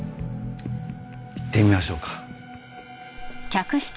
行ってみましょうか。